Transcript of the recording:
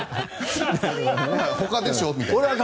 ほかでしょみたいな。